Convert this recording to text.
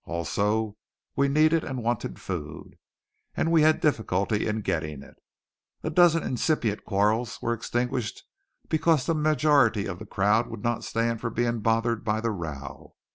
Also we needed and wanted food; and we had difficulty in getting it. A dozen incipient quarrels were extinguished because the majority of the crowd would not stand for being bothered by the row.